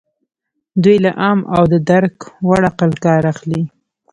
دوی له عام او د درک وړ عقل کار اخلي.